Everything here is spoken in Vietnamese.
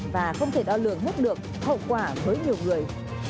và không thể đo lường hết được hậu quả với nhiều người